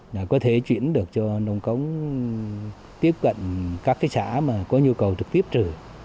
là có thể chuyển được cho nông cống tiếp cận các cái xã mà có nhu cầu trực tiếp trừ